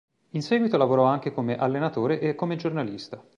In seguito lavorò anche come allenatore e come giornalista.